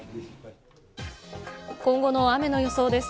今後の雨の予想です。